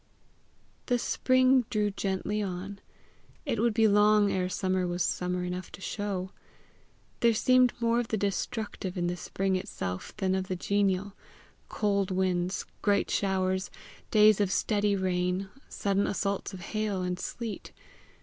The spring drew gently on. It would be long ere summer was summer enough to show. There seemed more of the destructive in the spring itself than of the genial cold winds, great showers, days of steady rain, sudden assaults of hail and sleet.